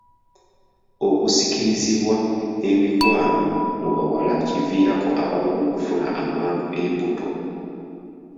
Okusikirizibwa emikwano mu bawala kiviirako abamu okufuna amangu embuto.